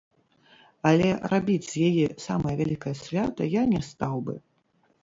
Але рабіць з яе самае вялікае свята я не стаў бы.